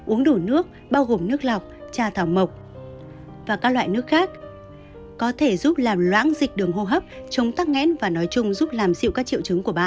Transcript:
uống đủ nước bao gồm nước lọc cha thảo mộc và các loại nước khác có thể giúp làm loãng dịch đường hô hấp chống tắc nghẽn và nói chung giúp làm dịu các triệu chứng của bà